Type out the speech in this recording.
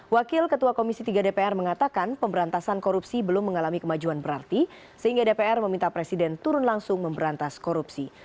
wakil ketua komisi tiga dpr mengatakan pemberantasan korupsi belum mengalami kemajuan berarti sehingga dpr meminta presiden turun langsung memberantas korupsi